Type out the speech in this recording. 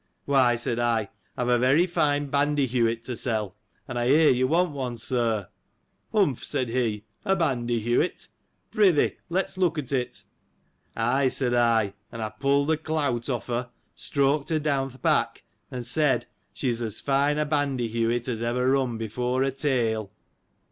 Why, said I, I've a very fine bandyhewit to sell ; and I hear you want one, Sir. Humph ! said he — a bandyhewit — Pr'y thee, let's look at it. Ay, said I ; and I pulled the clout off her, streaked her down th' back, and said : She is as fine a bandyhewit as ever run before a tail.